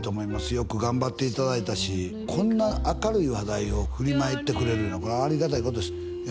よく頑張っていただいたしこんな明るい話題をふりまいてくれるいうのはこれはありがたいことです